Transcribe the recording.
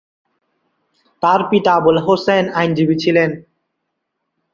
তার পিতা আবুল হোসেন আইনজীবী ছিলেন।